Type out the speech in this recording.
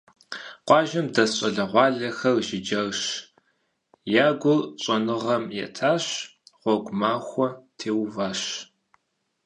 Къуажэм дэс щӀалэгъуалэхэр жыджэрщ, я гур щӀэныгъэм етащ, гъуэгу махуэ теуващ.